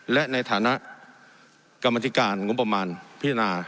และในฐานะกรรมธิการงบประมาณพิจารณา